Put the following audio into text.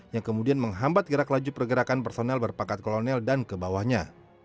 yang kemudian menghambat gerak pergerakan personal berpakat kolonel dan ke bawahnya